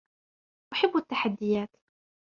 أحب التحديات